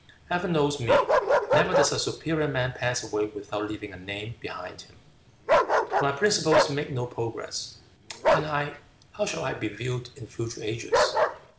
Heaven knows me. Never does a superior man pass away without leaving a name behind him. But my principles make no progress, and I, how shall I be viewed in future ages?"